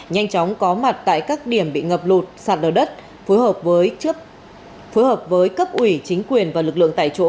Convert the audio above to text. nhanh chóng có mặt tại các điểm bị ngập lụt sạt lở đất phối hợp với cấp ủy chính quyền và lực lượng tại chỗ